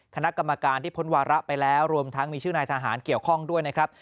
คณะกรรมการที่พ้นวาระไปแล้วรวมทั้งมีชื่อนายทหารเกี่ยวข้องด้วยนะครับ